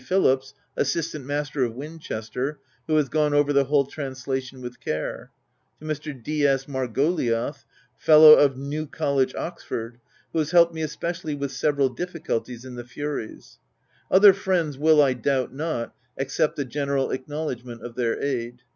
Phillips, Assistant Master of Winchester, who has gone over the whole translation with care ; to Mr. D. S. Margoliouth, Fellow of New College, Oxford, who has helped me especially with several difficulties in The Furies, Other friends will, I doubt not, accept a general acknowledgment of their aid.